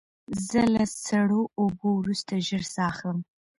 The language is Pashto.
زه له سړو اوبو وروسته ژر ساه اخلم.